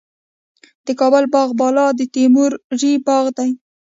د کابل باغ بالا د تیموري باغ دی